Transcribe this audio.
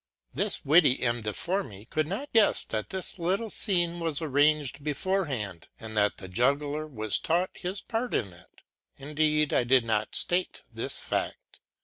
This witty M. de Formy could not guess that this little scene was arranged beforehand, and that the juggler was taught his part in it; indeed I did not state this fact.